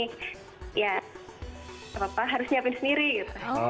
ya apa apa harus nyiapin sendiri gitu